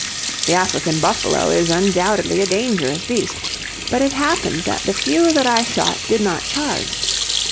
The African buffalo is undoubtedly a dangerous beast, but it happened that the few that I shot did not charge.